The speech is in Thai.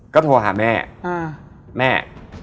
ก็โทรหาแม่แม่